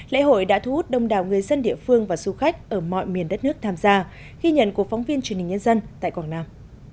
lễ hội đã thu hút đông đảo người dân địa phương và du khách ở mọi miền đất nước tham gia ghi nhận của phóng viên truyền hình nhân dân tại quảng nam